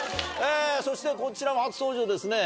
そしてこちらも初登場ですね。